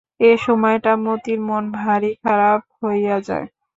এ সময়টা মতির মন ভারি খারাপ হইয়া যায়।